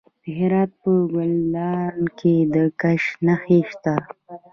د هرات په ګلران کې د ګچ نښې شته.